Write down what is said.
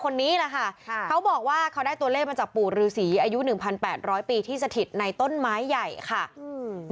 คนนี้แหละค่ะเขาบอกว่าเขาได้ตัวเลขมาจากปู่ฤษีอายุหนึ่งพันแปดร้อยปีที่สถิตในต้นไม้ใหญ่ค่ะอืม